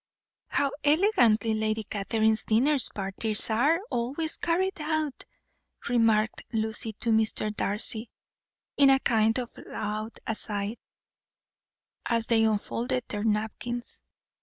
"How elegantly Lady Catherine's dinner parties are always carried out!" remarked Lucy to Mr. Darcy, in a kind of loud aside, as they unfolded their napkins.